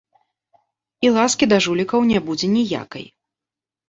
І ласкі да жулікаў не будзе ніякай.